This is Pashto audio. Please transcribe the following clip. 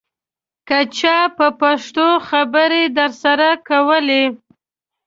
که چا په پښتو خبرې درسره کولې.